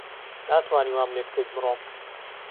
ناتوانی وام لێ بکەیت بڕۆم.